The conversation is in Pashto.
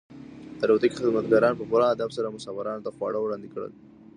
د الوتکې خدمتګارانو په پوره ادب سره مسافرانو ته خواړه وړاندې کړل.